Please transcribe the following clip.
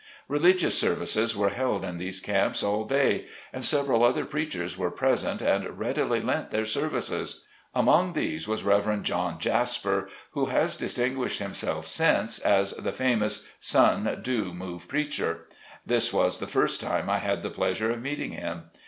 Religious services were held in these camps all day, and several other preachers were present and readily lent their service. Among these was Rev. John Jasper, who has distinguished himself since, as the famous "Sun do move preacher." This was the first time I had the pleasure of meeting him.